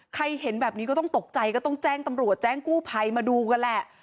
เห็นแบบนี้ก็ต้องตกใจก็ต้องแจ้งตำรวจแจ้งกู้ภัยมาดูกันแหละ